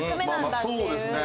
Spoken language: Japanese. そうですね。